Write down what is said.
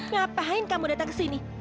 ngapain kamu datang ke sini